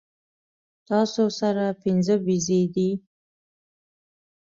تاسو سره پنځۀ بيزې دي